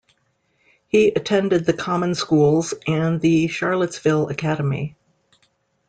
He attended the common schools and the Charlottesville Academy.